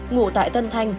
ngụ tại tân thanh